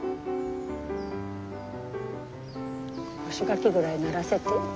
干し柿ぐらいならせて。